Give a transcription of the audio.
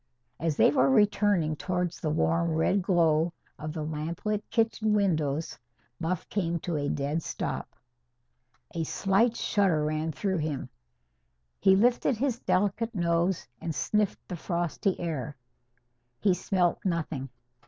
As they were returning towards the warm red glow of the lamplit kitchen windows, Buff came to a dead stop. A slight shudder ran through him. He lifted his delicate nose and sniffed the frosty air. He smelt nothing.